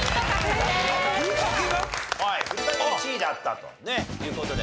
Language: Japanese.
ふりかけ１位だったという事で。